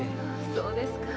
そうですか。